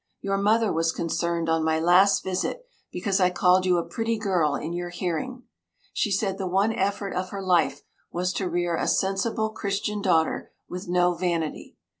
Your mother was concerned, on my last visit, because I called you a pretty girl in your hearing. She said the one effort of her life was to rear a sensible Christian daughter with no vanity.